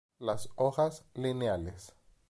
Las hojas lineales.